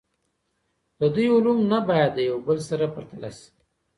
د دوی علوم نه باید د یو بل سره پرتله سي.